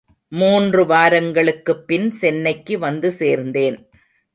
மூன்று வாரங்களுக்குப் பின் சென்னைக்கு வந்து சேர்ந்தேன்.